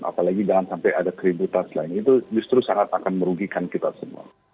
apalagi jangan sampai ada keributan selain itu justru sangat akan merugikan kita semua